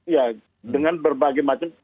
ya dengan berbagai macam